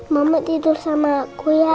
mama tidur sama aku ya